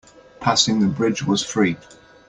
Passing the bridge was free.